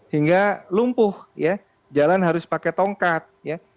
hingga lumpuh ya jalan harus pakai tongkat ya